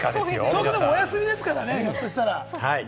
ちょうど皆さん、お休みですからね、ひょっとすると。